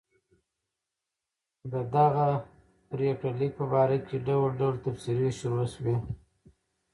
د دغه پرېکړه لیک په باره کې ډول ډول تبصرې شروع شوې.